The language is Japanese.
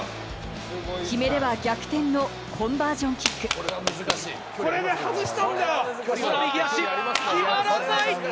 決めれば逆転のコンバージョンキック。決まらない！